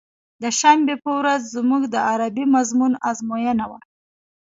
د شنبې په ورځ زموږ د عربي مضمون ازموينه وه.